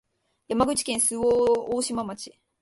山口県周防大島町